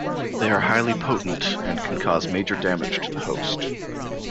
They are highly potent and can cause major damage to the host.